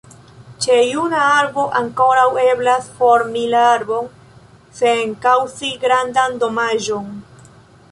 Ĉe juna arbo ankoraŭ eblas formi la arbon, sen kaŭzi grandan damaĝon.